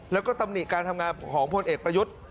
แล้วก็ตำหนิการทำงานของพลเอกประยุทธ์